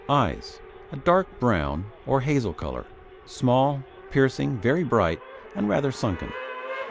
EYES A dark brown or hazel colour; small, piercing, very bright and rather sunken.